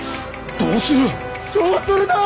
どうするだぁ！？